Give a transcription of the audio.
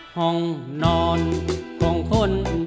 ห้องนอนของคน